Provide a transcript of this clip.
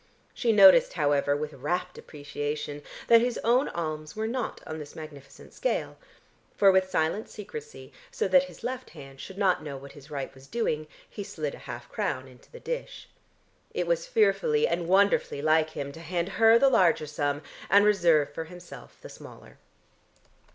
She noticed, however, with rapt appreciation that his own alms were not on this magnificent scale, for with silent secrecy, so that his left hand should not know what his right was doing, he slid a half crown into the dish. It was fearfully and wonderfully like him to hand her the larger sum and reserve for himself the smaller....